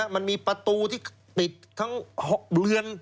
มันมีประตูที่ปิดทั้งเรือน